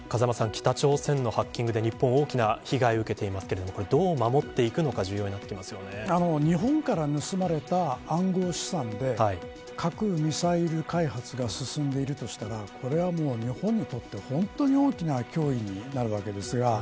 北朝鮮のハッキングで日本は大きな被害を受けていますけどどう守っていくのか日本から盗まれた暗号資産で核ミサイル開発が進んでいるとしたらこれは日本にとって本当に大きな脅威になるわけです。